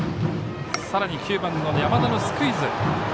さらに９番の山田のスクイズ。